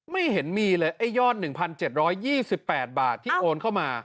ไม่เห็นมีเลยไอ้ยอด๑๗๒๘บาทที่โอนเข้ามา